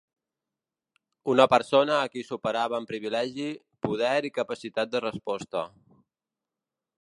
Una persona a qui superava en privilegi, poder i capacitat de resposta.